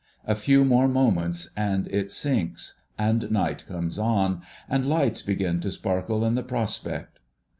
A few more moments, and it sinks, and night comes on, and lights begin to sparkle in the prospect.